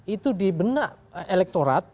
itu di benak elektorat